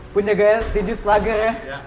punya gaya tinju slagar ya